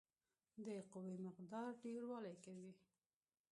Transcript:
د قوې مقدار ډیروالی کوي.